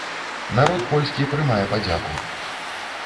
Народ польскі прымае падзяку.